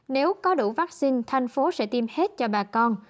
nếu có đủ vaccine tp hcm sẽ tiêm hết cho bà con